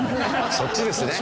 そっちですね。